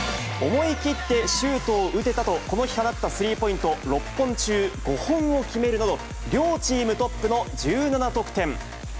思い切ってシュートを打てたと、この日放ったスリーポイント６本中５本を決めるなど、両チームトップの１７得点。